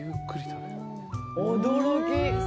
驚き。